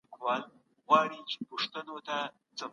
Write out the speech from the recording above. خیرات ورکول د زړه سخاوت دی.